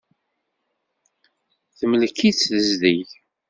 Temlek-itt tezdeg.